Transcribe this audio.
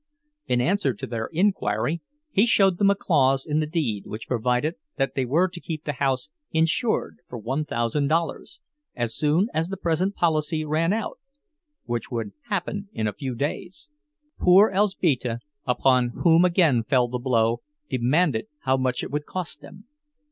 In answer to their inquiry he showed them a clause in the deed which provided that they were to keep the house insured for one thousand dollars, as soon as the present policy ran out, which would happen in a few days. Poor Elzbieta, upon whom again fell the blow, demanded how much it would cost them.